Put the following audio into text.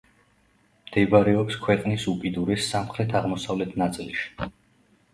მდებარეობს ქვეყნის უკიდურეს სამხრეთ–აღმოსავლეთ ნაწილში.